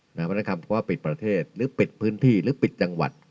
เพราะฉะนั้นคำว่าปิดประเทศหรือปิดพื้นที่หรือปิดจังหวัด